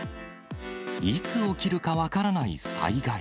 いつ起きるか分からない災害。